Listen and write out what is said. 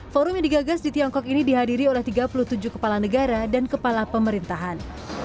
forum yang digagas di tiongkok ini dihadiri oleh tiga puluh tujuh kepala negara dan kepala pemerintahan